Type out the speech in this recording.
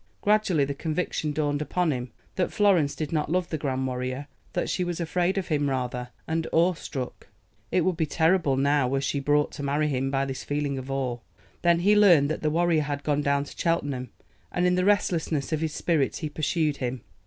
Gradually the conviction dawned upon him that Florence did not love the grand warrior, that she was afraid of him rather and awe struck. It would be terrible now were she brought to marry him by this feeling of awe. Then he learned that the warrior had gone down to Cheltenham, and in the restlessness of his spirit he pursued him.